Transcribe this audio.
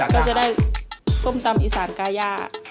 ก็จะได้ส้มตำอีสานกายา